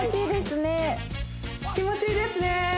気持ちいいですね